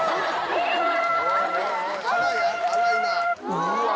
うわ。